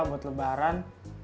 rupa buat lebaran